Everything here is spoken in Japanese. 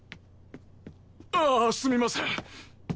ああすみません。